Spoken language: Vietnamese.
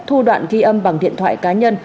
thu đoạn ghi âm bằng điện thoại cá nhân